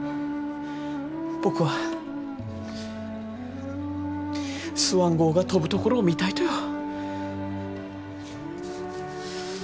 僕はスワン号が飛ぶところを見たいとよ。